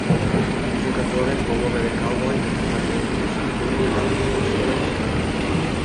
Il giocatore può muovere il cowboy verticalmente lungo il lato sinistro dello schermo.